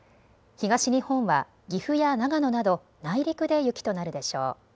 東日本は岐阜や長野など内陸で雪となるでしょう。